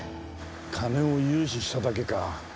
金を融資しただけか。